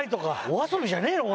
お遊びじゃねえの？